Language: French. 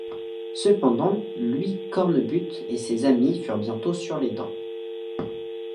Cependant Louis Cornbutte et ses amis furent bientôt sur les dents.